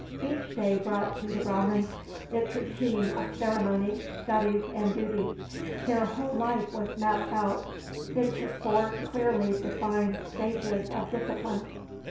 Each day brought to the Brahmans its routine of ceremonies, studies, and duties. Their whole life was mapped out into four clearly defined stages of discipline.